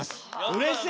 うれしい！